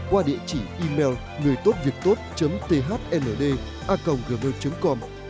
qua địa chỉ email ngườitốtviệctốt thnda gov com